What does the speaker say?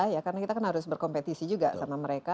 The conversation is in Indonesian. ya karena kita kan harus berkompetisi juga sama mereka